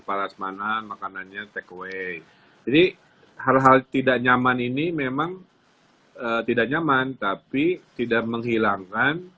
paras manan makanannya takeaway jadi hal hal tidak nyaman ini memang tidak nyaman tapi tidak menghilangkan